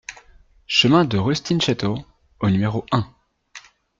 Chemin de Rustinchetto au numéro un